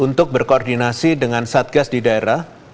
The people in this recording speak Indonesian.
untuk berkoordinasi dengan satgas di daerah